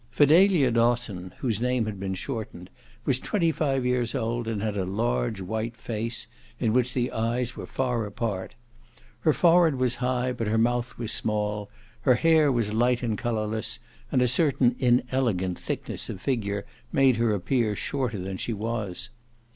Fidelia Dosson, whose name had been shortened, was twenty five years old and had a large white face, in which the eyes were far apart. Her forehead was high but her mouth was small, her hair was light and colourless and a certain inelegant thickness of figure made her appear shorter than she was.